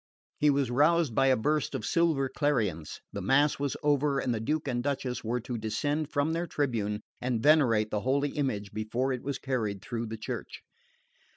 He was roused by a burst of silver clarions. The mass was over, and the Duke and Duchess were to descend from their tribune and venerate the holy image before it was carried through the church.